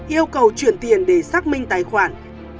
yêu cầu chuyển tiền để xác minh tài khoản